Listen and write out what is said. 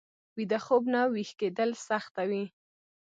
ویده خوب نه ويښ کېدل سخته وي